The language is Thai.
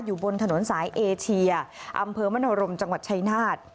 อยู่บนถนนสายเอเชียอำเภอมโนรมจังหวัดชายนาฏ